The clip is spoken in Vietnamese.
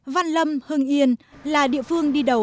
sinh sống tại quốc gia